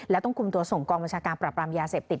แล้วต้องคุมตัวส่งกองบัญชาการปรับรามยาเสพติด